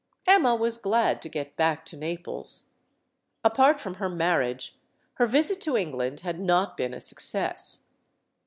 Emma was glad to get back to Naples. Apart from her marriage, her visit to England had not been a suc cess.